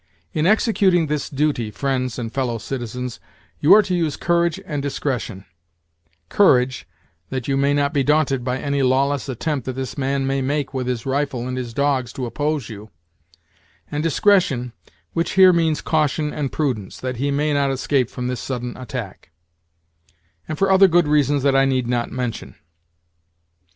In executing this duty, friends and fellow citizens, you are to use courage and discretion; courage, that you may not be daunted by any lawless attempt that this man may make with his rifle and his dogs to oppose you; and discretion, which here means caution and prudence, that he may not escape from this sudden attack and for other good reasons that I need not mention.